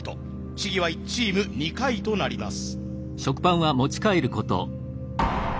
試技は１チーム２回となります。